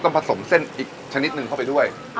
ผสมเส้นอีกชนิดหนึ่งเข้าไปด้วย